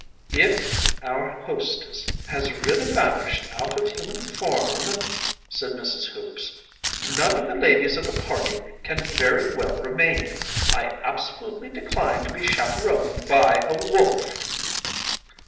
“If our hostess has really vanished out of human form,‚ÄĚ said Mrs. Hoops, “none of the ladies of the party can very well remain. I absolutely decline to be chaperoned by a wolf!